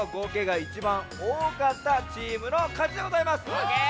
オーケー！